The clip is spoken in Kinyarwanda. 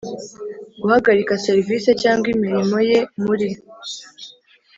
Guhagarika serivisi cyangwa imirimo ye muri